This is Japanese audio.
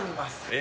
え。